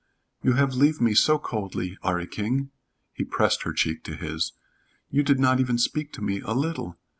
"You have leave me so coldly, 'Arry King." He pressed her cheek to his. "You did not even speak to me a little."